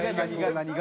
何が？